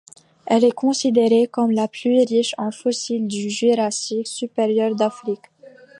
Elle est considérée comme la plus riche en fossiles du Jurassique supérieur d'Afrique.